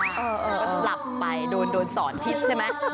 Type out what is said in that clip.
ก็หลับไปโดนสอนผิดใช่ไหม